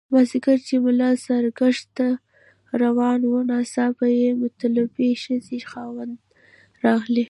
مازیګر چې ملا ساراګشت ته روان وو ناڅاپه د مطلوبې ښځې خاوند راغی.